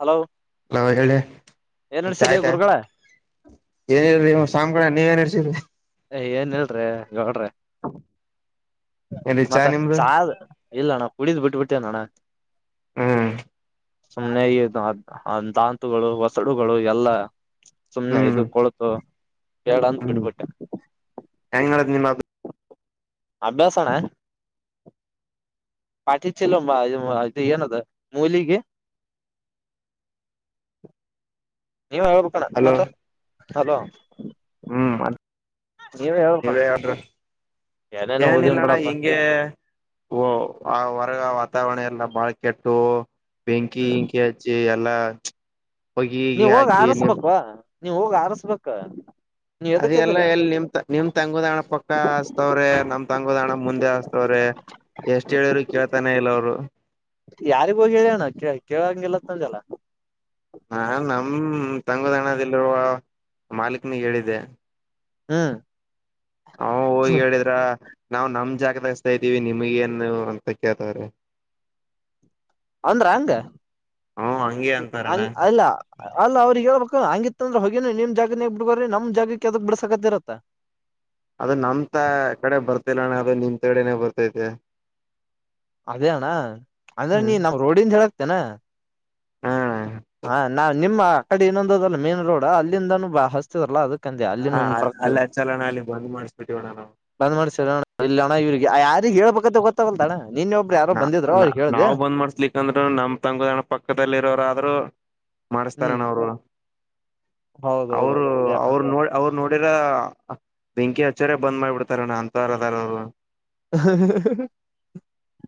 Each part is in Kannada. ಹಲೋ ಹಲ ಹೇಳಳ ಏನ್ ಂಚ ನಡ್ಸರಿ ಆಯ್ತಾ ಗುರುಗಳ ಏನ್ಿ ಸಾಮ್ ಕ ನೀವ ಏನ್ ಇರ್ಸ್ರಿ ಏನ್ಲ್ರಿೀ ಗೌಡ್ರಿ ಹ ಮತ್ತ ಚಾ ಇಲ್ಲ ಅಣ್ಣ ಕುಡಿದ್ ಬಿಟ್ಟ ಬಿಡ್ತೇವ ಅಣ್ಣ ಹ್ಮ್ ಸುಮ್ನೆ ದಾಂತುಗಳು ಹೊಸಡುಗಳು ಎಲ್ಲ ಸುಮ್ನೆ ಹ್ಮ್ ಇದು ಕೊಳತು ಹೇಳ ಅಂತ ಹ್ಮ್ ಬಿಟ್ಬಿಟ್ಟೆ ಹೆಂಗ್ ಮಾಡದ್ ನಿಮ್ಮ ಅಭ್ಯಾಸಣ ಪಾಠಿ ಚಿಲ್ಲಮ್ಮದು ಏನದ ಮೂಲಿಿಗೆ ಅ ನೀವ ಹೇಳ್ಬೇಕಣ್ಣ ಮತ್ತ ಹಲೋ ಹ್ಮ್ ಹೆಕ ನೀವೇ ಹೇಳ್ರಿ ಏನಿಲ್ಲಣ್ಣ ಹಿಂಗೆ ವ ಆ ಹೊರಗ ವಾತಾವರಣ ಎಲ್ಲ ಬಾಳ್ಕಟ್ಟು ಬೆಂಕಿ ಹ್ಮ್ ಇಂಕಿ ಹಚ್ಚಿ ಎಲ್ಲಾ ಹೊಗಿ ಗಿಗಿ ನೀವ್ ಹೋಗ ಹಾಕಿ ನೀ ಆರಸ್ಬೇಕವಾ ನೀವ್ ಹೋಗ ಆರಸ್ಬೇಕ ನೀವ್ ಎದಕ್ ಅದೆ ಎಲ್ಲ ಇದೀರ ಎಲ್ಲಿ ನಿಮ ನಿಮ್ ತಂಗುದಣ ಪಕ್ಕ ಹಸ್ತವ್ರೆ ನಮ್ ತಂಗುದಣ ಮುಂದೆ ಹಸ್ತವ್ರೆ ಎಷ್ಟ್ ಹೇಳಿದ್ರು ಕೇಳ್ತಾನೇ ಇಲ್ಲ ಅವರು ಯಾರಿಗ ಹೋಗಿ ಹೇಳ್ಯಣ ಕ ಕೇಳಂಗಗೆಲ್ಲತ್ತಂದಲ್ಲ ನಾನ್ ನಮ ತಂಗುದಾಣದಲ್ಲಿರುವ ಮಾಲಕ್ನಿಗೆ ಹೇಳಿದ್ದೆ ಹ್ಮ್ ಹ ಹೋಗಿ ಹೇಳಿದ್ರ ನಾವವು ನಮ್ ಜಾಗದಸ್ತಾ ಇದ್ದೀವಿ ನಿಮಗ ನು ಅಂತ ಕೇಳ್ತವಾರೆ ಅಂದ್ರ ಹಂಗ ಹ ಹಂಗೆ ಅಂತಾರಣ್ಣ ಹಂಗ ಅಲ್ಲ ಅಲ್ಲ ಅವ್ರಿಗೆ ಹೇಳ್ಬೇಕ ಹಂಗಿತ್ತ ಅಂದ್ರ ಹೋಗ ಮ್ ಜಾಗದಗ್ ಬಿಡ್ಗ್ರಿ ನಮ್ ಜಾಗಕ್ಕೆ ಯಾವದ ಬಿಡ್ಸಕತಿ ಇರತ್ತಾ ಅದು ನಮ ತ ಕಡೆ ಬರ್ತಲ್ಲಣ್ಣ ಅದು ನಿಮ ತಡೆನೆೇ ಬರ್ತೈತೆ ಅದೇ ಅಣ್ಣ ಅಂದ್ರೆ ನೀ ಹ್ಮ್ ನಮ್ ರೋಡಿಂದ ಹೇಳಕ್ತೇನಾ ಹಾ ಹಾ ನಾ ನಿಮ್ಮ ಆ ಕಡೆ ಇನ್ನೊಂದಂದುದಲ್ಲ ಮೇನ್ ರೋಡ್ ಅಲ್ಲಿಂದಾನ ಬ ಹಸ್ತದಲ್ಲ ಅದ ಅಲ್ಲಿ ಬತ ಅಲ್ಲ ಹಚ್ಚಲಣ ಅಲ್ಲಿ ಬಂದ್ ಮಾಡಿಸಬಿಟ್ಟಿವಣ ನಾವು ಬಂದ್ ಮಾಡ ಇಣ ಇವಿಗೆ ಹೇಳ್ಬೇಕಂತ ಗೊತ್ತಾಗಲ್ಲದಣ ನ ನ ನಾವ್ ಬಂದ್ ಮಾಡಸ್ಲಿಕ್ಕಂದ್ರರು ನಮ್ ತಂಗದಾಣ ಪಕ್ಕದಲ್ಲಿ ಇರೋರಾದ್ರರು ಹ್ಮ್ ಮಾಡಸ್ತಾರಣ ಅವರು ಹೌದೌದು ಅವರು ಯಾಕ ಅವರು ನೋಡ್ ಅವರು ನೋಡಿ ರ ಬೆಂಕಿ ಹಚ್ಚರ ಬಂದ್ ಮಾಡ್ಬಿಡ್ತಾರಣ್ಣ ಅಂತರದಾರರು [inaudible]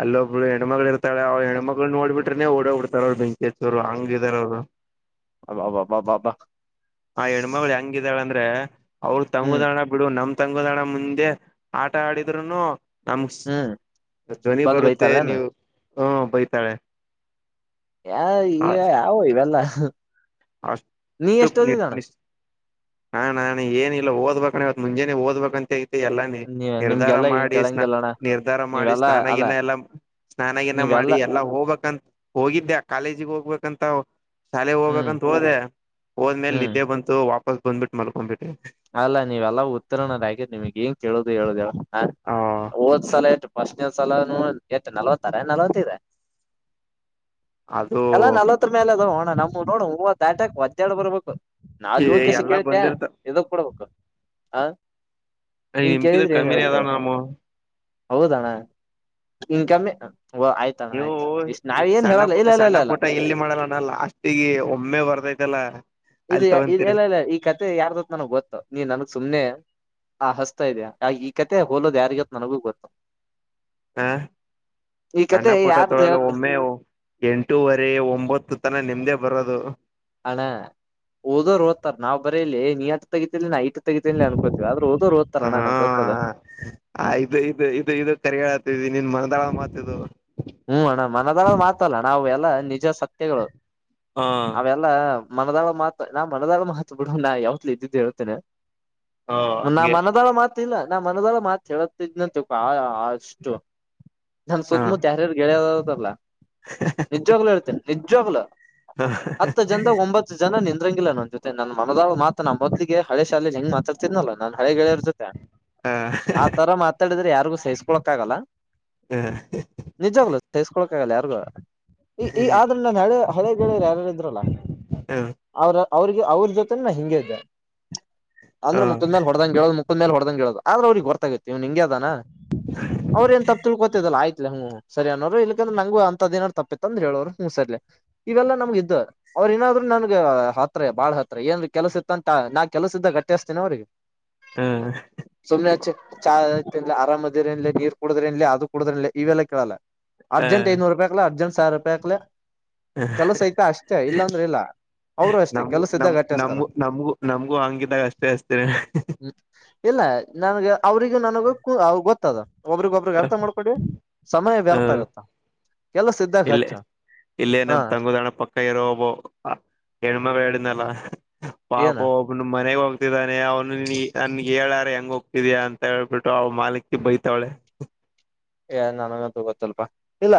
ಅಲ್ಲೊಬ್ಬರು ಹೆಣ್ಮಗಳಳ ಇರ್ತಾಳೆ ಅವ ಹೆಣ್ಮಳನ್ನ ನೋಡ್ಬ ಬಿಟ್ರೆನೆ ಓಡೋ ಬಿಡ್ತಾರ ಅವರು ಬೆಂಕೇಶರು ಹಂಗ ಇದಾರರು ಅಬ್ಬಬ್ಬಬ್ಬಬ್ಬ ಹ ಹೆಣ್ಮಗಳು ಹ ಆದ್ರೆ ಅವ್ರ ಹ್ಮ್ ತಂಗುದಣ ಬಿಡು ನಮ್ ತಂಗುದಣ ಮುಂದೆ ಆಟ ಆಡಿದ್ರುೂನು ನಮ ಹ್ಮ್ ಧ್ವನಿ ಬಂದ್ ಬರುತ್ತೆ ಬೈತಾರನ ನೀವು ಹ ಬೈತಾಳೆ ಯಾವ ಇವೆಲ್ಲ ನೀ ಅಷ್ಟು ಎಷ್ಟ ಓದಿದಣ ನಿರ್ಮಿಸ್ ಹಾ ನಾನ ಏನಿಲ್ಲ ಓದ್ಬೇಕಣವತ್ ಮುಂಜೆನನೆ ಓದಬೇಕಂತ ಎಲ್ಲ ನಿ ನೀ ನಿರ್ಧಾರ ನಿಮ್ಗೆಲ್ಲಾ ಏನ್ ಮಾಡಿ ಸ್ನ ಕೇಳಂಗಿಲ್ಲಣ ನಿರ್ಧಾರ ಮಾಡಿ ನೀವೆಲ್ಲಾ ಅಲ್ಲ ಸ್ನಾನಗಿನ ಎಲ್ಲ ಸ್ನಾನಗನ ಮಾಡಿ ನೀವೆಲ್ಲಾ ಎಲ್ಲಾ ಹೋಗ್ಕ್ಂತ ಹೋಗಿದ್ದ್ಯಾ ಕಾಲೇಜಿಗೆ ಹೋಗ್ಬೇಕಂತ ಶಾಲೆಗೆಗ್ ಹ್ಮ್ ಹೋಗ್ಬೇಕಂತ ಹೋದೆ ಹೋದ್್ಮೇಲೆ ಹ್ಮ್ ನಿದ್ದೆ ಬಂತು ವಾಪಸ್ ಬಂದ್ಬಿಟ್ಟು ಮಲ್ಕೊಂಡ್ಬಿಟ್ಟಿ ಅಲ್ಲಾ ನೀವೆಲ್ಲ ಉತ್ತೀರ್ಣದಗ ನಿಮಗ್ ಏನ್ ಕೇಳುದು ಹೇಳುದವ ಹ ಓದ್ಸಲ ಇ್ಸಲ ನೂ ಎಟ್ ನಲ್ವತ್ತಾರ ನಲ್ವತ್ತ್ರ ಅದು ಎಲ್ಲ ನಲ್ವತ್ತು ಮೇಲೆ ಅದ ಹಣ ನಮ ನೋಡು ಹೂವು ದಾಂಟಕ್ ಒದ್ಡು ಬರ್ಬೇಕು ನಾೂ ಕೆಸ ಎಲ್ಲಾ ಕೇಳ್ತೆೇ ಬಂದಿರ್ತ ಇದಕ್ ಕೊಡ್ಬೇಕು ಹ ಹಂ ನಿಮ್ಕಿದ್ರ ಕೇಳಿದ್ರೆ ಏನ್ ಕಮ್ಮಿನೇ ಹೇಳ್ಕಳ ಅದಾವ ನಮ್ಮವು ಹೌದಣ್ಣ ಇನ್ಕಮ್ಮಿ ನೀವು ಸಣ್ಣ ಪು ಇಲ್ಲ ಇಲ್ಲ ಇಲ್ಲ ಸಣ್ಣ ಇಲ್ಲ ಪುಟ ಎಲ್ಲಿ ಮಾಡಲ್ಲಣ ಲಾಸ್ಟಿಗೆ ಒಮ್ಮೆ ಬರ್ದೈತಲ್ಲ ಇದುಲ್ಲ ಇಲ್ಲ ಈ ಕಥತೆ ಯಾರ್ದತ್ ನನಗ್ ಗೊತ್ತು ನೀನ್ ನನ್ ಸುಮ್ನೆ ಆ ಹಸ್ತಾ ಇದೆ ಆ ಈ ಕತೆ ಹೋಲೋದ್ ಯಾರಿಗೊತ್ತು ನನಗೂ ಗೊತ್ತು ಹ ಈ ಸಣ್ಣ ಕತೆ ಪುಟ ಯಾರ್ದು ತೊಳಲು ಹೇಳ್ ಒಮ್ಮೆ ಎಂಟೂುವರೆ ಒಂಬತ್ತು ತನ ನಿಮ್ದೇ ಬರೋದು ಅಣ ಓದೋರು ಓದ್ತಾರ ನಾವ್ ಬರೀಲಿ ನೀ ಹತ್ರ ತಗತಿ ನ ತಗೀ ಅನ್ಕೋತೀವಿ ಆದ್ರ ಹದ್ ಓದ್ತಾರ ಹಾ ನನಗೆ ಗೊತ್ತದ ಆ ಹ್ಮ್ ಇದು ಇದು ಇದು ಇದು ಕರಿಯತಿದಿ ನೀನ್ ಮದಾಳ ಮಾತಿದು ಎಲ್ಲ ನಿಜ ಸತ್ಯಗಳು ಹ ಅವೆಲ್ಲ ಮನದಾಳ ಮಾಹತ್ ಮನದಾಳ ಮಾತ್ ಬಿಡು ನಾ ಯಾವತ್ಲ ಇದ್ದಿದ್ದು ಹೇಳ್ತೇನೆ ಹ ನಾ ಹಂಗೆ ಮಾನದರ ಮಾತ್ ಲ್ಲನಾ ಮನದಲ್ಲ ಮಾತ್ ಹೇಳತಿದ್ನ ಅಷ್ಟು ನಾನ ಹ ಸ ಕೇಳಿಯದದಲ್ಲ ನಿಜ್ವಾಗ್ಲುೂ ಹೇಳ್ತೇನೆ ನಿಜ್ವಾಗ್ಲು ಹ ಹತ್ತ ಜನದ ಒಂಬತ್ತು ಜನ ನಿ ಂಗಿಲ್ಲ ನನ್ ಜೊತೆ ನನ್ ಮನದ ಮಾತನ ಮಾಧಲು ಗೆ ಹಳೆ ಶಾಲೆಲಿ ಹೆಂಗ್ ಮಾತಾಡ್ತಿದನಲ್ಲ ನನ್ ಹಳೆ ಗೆಳೆಯೋರ್ ಜೊತೆ ಹ ಆತರ ಮಾತಾಡಿದ್ರೆ ಯಾರಿಗೂ ಸಹಿಸ್ಕೊಳಕ್ ಆಗಲ್ಲ ಹ್ಮ ನಿಜಾಗ್ಲ ಸೈಸ್ಕೊಕ್ ಆಗಲ್ಲ ಯಾರ್ಗ ಈ ಈ ಆದ್ರ ನಾನ ಹಳೆ ಹಳೆ ಗೆಳೆಯರು ಯಾರಾರು ಇದ್ರಲ್ಲ ಅವ್ರ ಅವ್ರಿಗೆ ಅವ್ರ ಜೊತೆ ನಾ ಹಿಂಗೆ ಇದ್ದ ಅಂದ್ರೆ ಮು ಹೊಡೆದಂಗ ಹೇಳೋ ಮುಕ್ ಮೇಲೆ ಹೊಡೆದಂಗಗೆ ಹೇಳೋ ಆದ್ರೆ ಅವ್ರಿಗೆ ಗೊತ್ತಾಗತತ್ತು ಇವ್ ಹಂಗ ಅದಾನ ಅವ್ರ ನ್ ತ ತಿಳ್ಕೋತದಲ್ಲ ಅಯ್ ಹ್ಮ್ ಸರಿ ಅನ್ನೋರು ಇಲ್ಲಕಂದ್ರೆ ನಂಗಗ ಅಂತದ್ಏನಾರ್ ತಪ್ಪಿತ್ತ ಅಂದ್ರೆ ಹೇಳವರು ಹ್ಮ್ ಸರಿಲಿ ಇವೆಲ್ಲ ನಮ್ಗ ಇದ್ ಅವರು ಅವ ಏನಾದ್ರು ನನ್ಗ ಹತ್ರ ಬಾಳ ಹತ್ರ ಏನ್ ಕೆಲ್ಸ ಇತ್ತ ಅಂತ ನಾ ಕೆಲ್ಸ್ದ ಕಟ್ಟಿತೇನಿ ಅವ್ರಿಗೆ ಹ ಹ ಸಮನೆ ಅಚ್ ಚಾ ತಿನ್ಲ ಆರಾಮ್ದ್ರ ಇನ್ಲಿ ನೀರ್ ಕುಡುದ್ರೆ ಇನ್ಲಿ ಅದು ಕುಡುದ್ರ ಇವೆಲ್ಲ ಕೇಳಲ್ಲ ಅರ್ಜೆಂಟ್ ಐನೂರು ರೂಪಾಯಿಕ್ಲ ಅರ್ಜೆಂಟ್ ಸಾವಿರ ರೂಪಾಯಿಕ್ಲ ಕೆಲಸ ಐತೆ ಅಷ್ಟೇ ಇಲ್ಲಾಂದ್ರೆ ಇಲ್ಲ ಅವರು ಅಷ್ಟೇ ನಮಗೂ ಕೆಲಸ ನಮ ಇದ್ದಾಗ ಅಟ್ಟೇಸ್ತಾರ ನಮಗೂ ನಮ್ಗೂ ನಮ್ಗೂ ಹಂಗಿದಾಗ ಅಷ್ಟೇ ಅಷ್ಟೇ ಹ ಇಲ್ಲ ನನ್ಗ ಅವ್ರಿಗೂ ನನಗ ಗೊತ್ತದ ಒಬ್ರಗೊ ಒಬ್ರಗ್ ಅರ್ಥ ಮಾಡ್ಕೊಡಿ ಸಮಯ ವ್ಯರ್ಥ ಆಗತ್ತಾ ಇಲ್ಲ ಇಲ್ಲೇ ಹಾ ನಮ್ ತಂಗುದಣ ಪಕ್ಕ ಇರೋಬೋ ಹೆಣ್ಮ ಪಾಪ ಏನ ಒಬ್ನು ಮನೆಗ್ ಹೋಗ ಹೋಗ್ತಿದ್ದಾನೆ ಅವ್ನು ನನ್ಗೆ ಹೇಳಾರ ಹೆಂಗ ಹೋಗ್ತಿದಯ ಅಂತ ಹೇಳ್ಬಿಟ್ಟು ಅವ ಮಾಲಕೀ ಬೈತಾವಳೆ [unintelligible] ಏ ನನಗಂತೂ ಗೊತ್ತಲ್ಪ ಇಲ್ಲ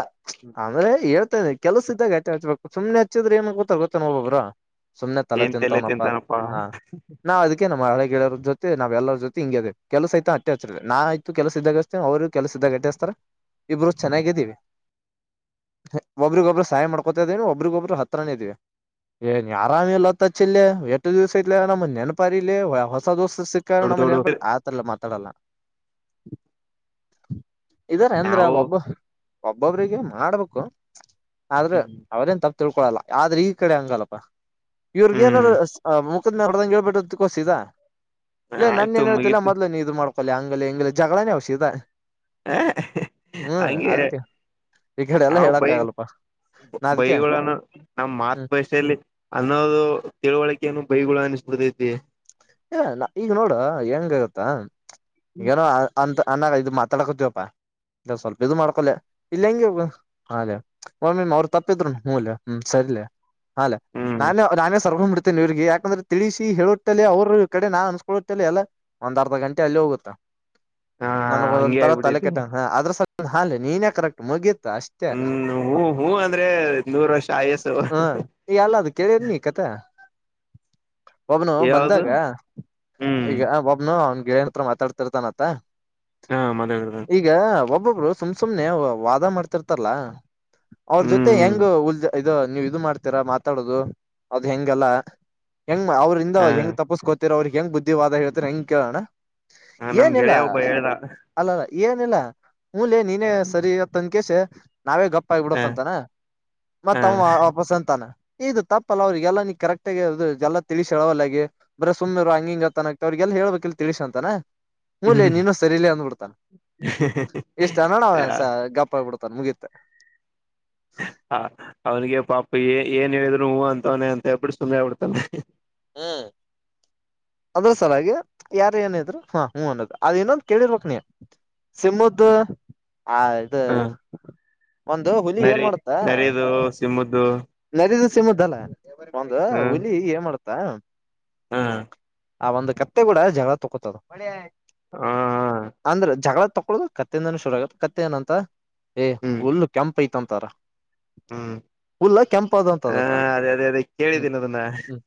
ಅಂದ್ರೆ ಎಲ್ಲ ಕೆಲಸ ಇದ್ದಾಗ ಹಚ್ಚ ಹಚ್ಬೇಕುನೆ ಹಚ್ಚಿದ್ರೆ ಏನ್ ಗೊತ್ತ ಗೊತ್ತ ನ ಒಬೊಬ್ರು ಸುಮ್ನೆ ತಲೆ ಏನ್ ತಿಂತವ್ನಪ್ಪ ತಿಂತಾನಪ್ಪಾ ಹ ನಾವ್ ಅದಕ್ಕೆ ನಮ್ಮ ಹಳೆ ರ ಜೊತೆ ನಾವೆಲ್ಲರ ಜೊ ಹಿಂಗಗೆ ಕೆಲಸ ಆಯತ ಅಟ್ಟೆ ಹಚ್ಚರ ನಾ ಆ್ತ ಕೆಲಸ್ದಾಗ ಅಷ್ಟ ಅವರು ಕೆಲಸ ಇದ್ದಾಗ ಇಬ್ರು ಚೆನ್ನಾಗಿದ್ದೀವಿ ಒಬ್ರಗ ಒಬ್ಬರು ಸಹಾಯ ಮಾಡ್ಕೊತಾ ಇದೀನ ಒಬ್ರಿಗೊಬ್ರು ಹತ್ರನ ಇದೀವಿ ಏನ್ ಆರಾಮಿ ಲತ್ತಚ್ಚಿಲ್ಲ ಎಷ್ಟು ದಿವ್ಸ ತ್ಲ ನಮ್ಮ ನೆನಪಾರ ಇಲಿ ಹೊಸ ದೋಸ ಸಿಕ್ಕಣ ದೊಡ್ಡ ಮನ ಬ ದೊಡ್ಡ ಆತರಲ್ಲ ಮಾತಾಡಲ್ಲ ಇದಾರೆ ಅಂದ್ರ ನಾವು ಒಬ್ಬ ಒಬ್ಬೊಬ್ರಿಗೆ ಮಾಡ್ಬೇಕು ಆದ್ರೆ ಅವ್ರೇನ್ ತಪ್ಪ ತಿಳ್ಕೊಳಲ್ಲ ಆದ್ರೆ ಈ ಕಡೆ ಹಂಗಲ್ಲಪ್ಪ ಇವ್ರ ಹ್ಮ್ ಏನಾರರು ಮುಕದ ಮೇಲೆ ಮಾಡದಂಗೆ ಹೇಳ್ಬಿಟ್ಟು ಕೋಸಿದ ಇಲ್ಲೇ ಆಯ್ತು ನನ್ನೇಏನ್ ಹೇಳ್ತಿಲ್ಲ ಮುಗೀತು ಮೊದ್ಲು ನೀ ಇದು ಮಾಡ್ಕೊಳ್ಳಲ್ಲಿ ಹಂಗ ಹಂಗ ಜಗಳನೆೇ ಸಿದ ಹ ಹಂಗೆ ಈ ಕಡೆ ಎಲ್ಲ ನಾವು ಹೇಳಕ್ ಬೈ ಆಗಲ್ಪಾ ಬೈಗಳನ್ನು ನಮ್ಮ ಮಾತೃ ಹ್ಮ್ ಭಾಷೆಯಲ್ಲಿ ಅನ್ನೋದು ತಿಳುವಳಿಕೆನು ಬೈ [unintelligible] ಸ್ಪತಿ ಈಗ ನೋಡ ಹೆಂಗ ಆಗತ್ತಾಗಏನೋ ಅಂತ ಅನಾಗ ಇದು ಮಾತಾಡ್ಕೋತವಪ್ಪಾ ಇ ಸ್ವಲ್ಪ ಇದು ಮಾಡ್ಕೊಲ್ಲ ಇಲ್ಲ ಹೆಂಗೆ ಬ್ರೋ ಅವರ ತಪ್ಪಿದ್ರು ಮೂಲ್ ಹ್ಮ ಸರಿ ಅ ಹ್ಮ್ ನಾನೇ ನಾನೇ ಸರ್ಕೊಂಡ್ ಬಿಡ್ತೇನೆ ಇವ್ರಿಗೆ ಯಾಕಂದ್ರೆ ತಿಳಿಸಿ ಹೇಳಟ್ಟಲ್ಲಿ ಅವ್ರು ಈ ಕಡೆ ನಾನ್ ಅನ್ಸ್ಕೊಳ್ಳುತ್ತೇ ಎಲ್ಲಾ ಒಂದ ಅರ್ಧ ಗಂಟೆ ಅಲ್ಲಿ ಹೋಗುತ್ತಾ ಹಾ ನನ್ ಹಂಗೆ ಒಂತರ ತಲೆ ಆಗ್ಬಿಟ್ಟೈತಿ ಕೆಟ್ಟಂಗ ಅ್ರ ಸಲ್ಪ ಹಿ ನೀನೇ ಕರೆಕ್ಟ್ ಮುಗಿ ಅಷ್ಟೇ ಹ್ಮ್ ಹೂ ಹೂ ಅಂದ್ರೆ ನೂರ್ ವರ್ಷ ಆಯಸ್ಸು ಹಾ ಇ ಹೇಲಾದ ಕೆೇಳ ನೀ ಕತೆ ಒಬ್ನು ಯಾವ್ದು ಬಂದಾಗ ಹ್ಮ್ ಈಗ ಒಬ್ನು ಅವನ್ ಗೆನ ಹತ್ರ ಮಾತಾಡ್ತಿರ್ತಾನತ್ತ ಹಾ ಮದ ಇಡುದ ಈಗ ಒಬ್ಬೊಬ್ರು ಸುಮ್ ಸುಮ್ನೆ ವಾದ ಮಾಡ್ತಿರ್ತಾರಲ್ಲ ಅವ್ರ ಹ್ಮ್ ಜೊತೆ ಹ್ಮ್ ಹೆಂಗ ಉ ಇ ನೀವು ಇದು ಮಾಡ್ತೀರಾ ಮಾತಾಡದು ಅದು ಹೆಂಗಲ್ಲ ಹೆಂಗ್ ಅವ್ರಂದ ಹ ಹೆಂಗ ಗರ ಅವ್ರಿಗೆ ಹೆಂಗ್ ಬುದ್ಧಿವಾದ ಹೇಳ್ತ ಹೆಂಗ ಕೇಳೋಣ ಹ ನಮ್ ಏನಿಲ್ಲ ಗೆಳೆಯ ಒಬ್ಬ ಹೇಳ್ದ ಅಲ್ಲ ಏನ ಇಲ್ಲಾ ಹಲೆ ನೀನೇ ಸರಿ ಇವತ್ತನ್ಕೇಶ ನಾವೇ ಗಪ್ಪ ಹ ಆಬಿಡಕ್ ಅಂತಾನ ಮತ್ ಅವ ಹ ವಾಪಸ್ ಅಂತಾನ ಇದು ತಪ್ಪಲ್ಲ ಅವ್ರರಿಗೆಲ್ಲಾ ನೀ ಕರೆಕ್ಟ್ ಆಗಿ ಅ ಎಲ್ಲಾ ತಿಳಿಸಿ ಹೇಳವಲ್ಲಗೆ ಬರ ಸುಮ್ಮ್ ಇರು ಹಿಂಗೊತನ ಆತ ಅವ್ರರಿಗೆಲ್ಲ ಹ ಹೇಳಬೇಕ ಎಲ್ಲಿ ತಿಳಸ ಅಂತನ ಹಲಿ ಹ್ಮ್ ನೀನು ಸರಿ ಇಲ್ಲ ಅಂದ್ಬಿಡ್ತಾನ ಇಷ್ಟ ಅ ನಡ ಅವ ಹ ಗಪ್ಪ ಆಗ್ಬಿಡ್ತ ತನ್ ಮುಗತ್ತೆ ಹ ಅವ್ನಿಗೆ ಪಾಪ ಏ ಏನ್ ಹೇಳಿದ್ರು ಹೂ ಅಂತವನೆ ಅಂತೇಳ್ಬಿಟ್ಟು ಸುಮ್ನೆ ಬಿಡ್ತಾನೆ ಹ್ಮ ಅದ್ರ ಸಲಾಗಿ ಯಾರ ಏನ ಇದ್ರು ಹಾ ಹ್ಮ ಅ ಅದು ಇನ್ನೊಂದು ಕೇಳಿರ್ಬೇಕಕ್ ನೀಯ ಸಿಮ್ಮತ್ ಹ ಇದು ಹ ಒಂದು ಹುಲಿ ಏನ್ ನರಿ ಮಾಡುತ್ತ ನರಿದು ಸಿಂಹದ್ದು ನರಿದ ಸಿಮ್ದಲ್ಲ ಒಂದ ಹುಲಿ ಏನ್ ಮಾಡುತ್ತಾ ಹ್ಮ ಆ ಒಂದು ಕತ್ತೆ ಕೂಡ ಜಗಳ ತಕೊತದ ಹ ಅಂದ್ರೆ ಜಗಳ ತಕೊದು ಕತ್ತೆದನ ಶುರು ಆಗ ಕತ್ತೆ ಏನಂತ ಏ ಹ್ಮ್ ಹುಲ್ಲು ಕೆಂಪ್ ಐತಂತಾರ ಹ್ಮ್ ಹುಲ್ಲ ಕೆಂಪದ ಹ ಅಂತದತ್ತ ಅದೇ ಅದೇ ಅದೇ ಹ್ಮ್ ಕೇಳಿದ್ದೀನಿ ಅದನ್ನ ಹ್ಮ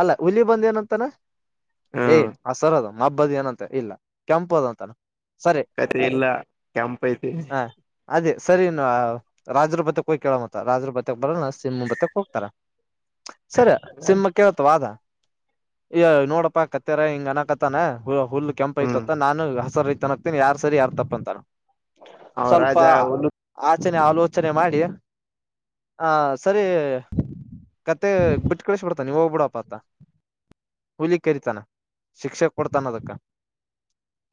ಅಲ್ಲ ಹುಲ್ಲಿ ಬಂದ ಏನಂತಾನ ಏಯ್ ಹ್ಮ್ ಹಸರ ಅದ ಹಬ್ಬದಿ ಏನಂತ ಇಲ್ಲ ಕೆಂಪು ಅದಂತಲ್ಲ ಕತೆ ಎಲ್ಲ ಕೆಂಪ್ ಐತೆನೆ ಹ ಅದೇ ಸರಿ ನ ರಾಜ್ರ ಬತ್ತಕ್ ಹೋಗಿ ಕೇಳ ಮತ್ತ ರಾಜ್ರ ಬತ್ತಕ್ ಬರೋಣ ಸಿಂ ಬತ್ತಕ್ ಹೋಗ್ತಾರ ಸರಿ ಸಿಮ್ಮ ಕೇೇಳತ ವಾದ ಅಯ ನೋಡಪ್ಪಾ ಕತ್ತಾರ ಹಿಂಗ ಅನಕತ್ತಾನ ಹುಲ್ ಕೆಂಪ್ ಹ್ಮ್ ಐತತ್ತ ನಾನು ರ್ತನಗ್ತೀನಿ ಯಾರ ಸರಿ ಯಾರ ತಪ್ಪಂತಾರ ಅವ ಸ್ವಲ್ಪ ರಾಜ ಹುಲ್ಲು ಆಚನೆ ಆಲೋಚನೆ ಮಾಡಿ ಹ ಸರಿ ಕತ್ತೆ ಬಿಟ್ಟ ಕಳಿಸಬಿಡ್ತ ನೀವ ಹೋಗ್ಬಿಡಪ ಅತ ಕುಲಿ ಕರತಾನ ಶಿಕ್ಷೆ ಕೊಡ್ತಾನ ಅದಕ್ಕ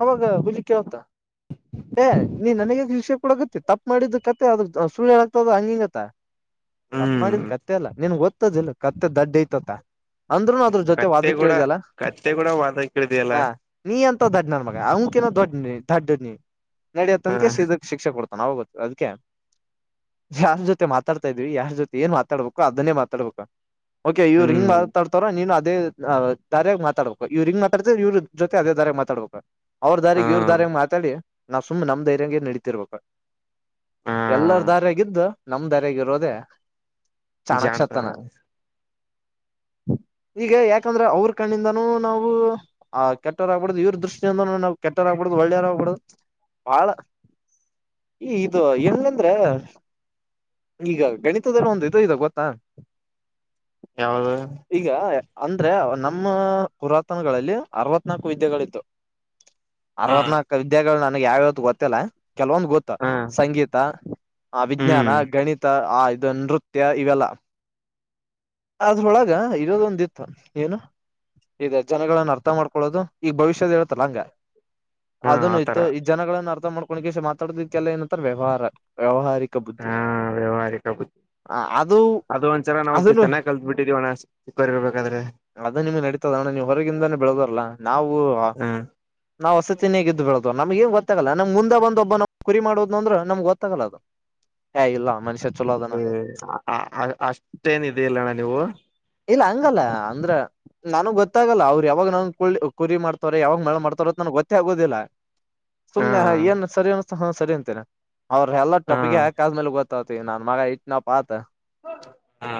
ಅವಾಗ ಹಲಿಕ್ಕೆ ಹೊಂತ ಏ ನೀ ನನಗ ಶಲ್ಸ ಕೂಡ ಗೊತ್ತಿ ತಪ್ಪ ಮಾಡಿದ ಕತೆ ಅ್ರ ಸುಳ್ಳ್ಯನಾಗಗ್ತದ ಹಂಗಿಂಗತ್ತ ತಪ್ಪ ಹ್ಮ್ ಮಾಡಿದ್ ಕತ್ತೆಲ್ಲ ನಿನ್ಗ್ ದತ್ತದಿಲ್ಲ ಕತ್ತೆ ದಡ್ ಐತತ್ತ ಅಂದ್ರುನು ಅದ್ರ ಜೊತೆ ಕತ್ತೆ ವಾದಕ್ ಕೂಡ ಕೇಳಿದಲ್ಲ ಕತ್ತೆ ಕೂಡ ವಾದ ಕೇಳಿದೆಯಲ್ಲ ಹ ನೀಂತ ದಡ್ಡನ ಮಗ ಅವಕನ ದೊಡ್ಡನಿ ದಡ್ಡನಿ ಹ ನಡಿಯತನಕ ಶಿಕ್ಷೆ ಕೊಡ್ತ ಚ ಗ ಅದಕ್ಕೆ ಯಾರ ಜೊತೆ ಮಾತ್ರ ಮಾತಾಡ್ ಇದ್ವಿ ಯಾರ್ ಜೊತೆ ಏನ್ ಮಾತಾಡ್ಬೇಕು ಅದನ್ನೇ ಮಾತಾಡ್ಬೇಕು ಓೆ ಇವ್ ಹ್ಮ್ ಗ್ತಾಡ್ತಾರೋ ನೀನು ಅ ಅದೇ ದಾರ ಮಾತಾಡ್ಬೇಕು ಇವ್ರ ಹಿಂಗ್ತಾಡತ ಇವ್ರ ಜೊತೆ ಅದೇ ದಾರ್ಯ ಮಾತಾಡ್ಬೇಕ ಅವ್ರ ಹ ದಾರಿಗ್ ಇವ್ರ ದಾರಿ ಮಾತಾಡಿ ನಾವ್ ಸುಮ್ನೆ ನಮ್ ಧೈರ್ಯಂಗ ನಡೀತಿರ್ಬೇಕ ಹ ಎಲ್ಲರ ದಾರ್ಯಾಗಿದ್ದ ನಮ್ ದಾರಿ ಗಿರೋದೇ ಜಾಣತಾನ ಈಗ ಯಾಕಂದ್ರೆ ಅವ್ರ ಕಣ್ಣಿಂದನು ನಾವು ಆ್ ಕೆಟ್ಟವರಾಗಗ್ಬಡ್ದುದು ಇವ್ರ ದೃಷ್ಟಿಯಿಂದ ನಾವು ಕೆಟ್ಟವರಾಗ್ಬಡ್ದುದು ಒಳ್ಳೆಯಾರ್ಬಡದು ಬಾಳ ಈ ಇದು ಎನ್ಂದ್ರೆ ಈಗ ಗಣಿತದಾರ ಒಂದ ಇ ಇದ ಗೊತ್ತಾ ಯಾವ್ದ ಈಗ ಅಂದ್ರೆ ನಮ್ಮ ಪುರಾತನಗಳಲ್ಲಿ ಅರವತ್ನಾಲ್ಕು ವಿದ್ಯೆಗಳಿತ್ತು ಹ ಅರವತ್ನಾಲ್ಕು ವಿದ್ಯೆಗಳು ನನ್ಗ್ ಯಾವ್ಯಾವತ್ತು ಗೊತ್ತಿಲ್ಲ ಕೆಲವೊಂದುಗೊತ್ತ ಹ ಸಂಗೀತ ಆ ವಿಜ್ಞಾನ ಹ್ಮ್ ಗಣಿತ ಆ ಇದು ನೃತ್ಯ ಇವೆಲ್ಲ ಅದೊಳಗ ಇರೋದೊಂದಿತ್ತು ಏನು ಇದೆ ಜನಗಳನ್ನ ಅರ್ಥ ಮಾಡ್ಕೊಳೋದು ಈಗ್ ಭವಿಷ್ಯದ ಹೇಳ್ತಲ್ಲ ಹಂಗ ಹ ಅದನು ಆತರ ಇತ್ತು ಈ ಜನಗಳನ್ನ ಅರ್ಥ ಮಾಡ್ಕೊಂಡಕ್ಕೆಸ ಮಾತಾಡದಿದ ಇದಕ್ಕೆಲ್ಲ ಏನಂತಾರ ವ್ಯವಹಾರ ವ್ಯವಹಾರಿ ಚಕ್ಕ ಹ ಬುದ್ಧಿ ವ್ಯವಹಾರಿಕ ಬುದ್ಧಿ ಅದು ಅದನ್ನು ಕಲ್ದ ಬಿಟ್ಟಿದಿರಿ ಚಿಕ್ಕವರುಇರಬೇಕಾದರೆ ಬರ್ರ್ಬೇಕಾದ್ರೆ ಅದು ನಿಮ್ಗೆ ನಡತದ ಅಣ್ಣ ನೀವು ಹೊರಗಿಂದಾನೇ ಬೆಳದಾರಲ್ಲ ನಾವು ಹ ನಾವ್ ಹೊಸತಿನೇ ಇದ್ ಬಿಳೋದು ನಮ್ ಏನ್ ಗೊತ್ತಾಗಲ್ಲ ನಮ್ ಮುಂದೊಬ್ಬ ನ ಕುರಿ ಮಾಡುದು ಅಂದ್ರೆ ನಮ್ಗ್ ಗೊತ್ತಾಗಲ್ಲ ಅದು ಹೇ ಇಲ್ಲ ಮನುಷ್ಯ ಚಲೋ ಅದನ ಹ ಅಷ್ಟೇನ್ದೆ ಇಡಿಲ ನೀವು ಇಲ್ಲ ಹಂಗಲ್ಲ ಅಂದ್ರ ನನ್ಗ್ ಗೊತ್ತಾಗಲ್ಲ ಅವ್ರು ಯಾವಾಗ ನನ್ ಕು ಕುರಿ ಮಾಡ್ತವಾರ ಯಾವಾಗ ಮಳ ಮಾಡ್ತಾರ್ರ ಅ ನನ್ಗ್ ಗೊತ್ತೇ ಆಗೋದಿಲ್ಲ ಹಾ ಸುಮ್ನೆ ಏನ್ ಸರಿ ಅನ್ ಹಾ ಸರಿ ಅಂತೇನೆ ಅವ್ರ ಎಲ್ಲ ಹಾ ಟಪಿಗೆ ಹಾಕ್ ಆದ್ಮೇಲೆ ಗತ್ತ ನನ್ ಮಗ ಇಟ್ ನ ಪಾತ್ ಹಾ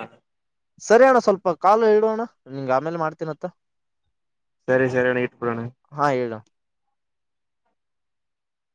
ಸರಿ ಅಣ್ಣ ಸ್ವಲ್ಪ ಕಾಲು ಹೇಳೋ ಅಣ ನಿನ್ ಆಮೇಲೆ ಮಾಡ್ತೀನತ್ತ ಸರಿ ಸರಿ ನ ಇಟ್ಟಬಡಣ ಹಾ ಹೇಳು